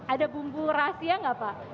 ada bumbu rahasia nggak pak